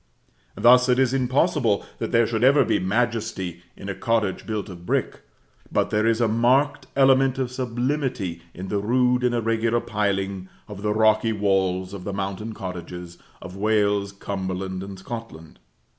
Thus it is impossible that there should ever be majesty in a cottage built of brick; but there is a marked element of sublimity in the rude and irregular piling of the rocky walls of the mountain cottages of Wales, Cumberland, and Scotland.